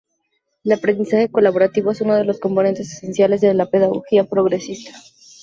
El aprendizaje colaborativo es uno de los componentes esenciales de la pedagogía progresista.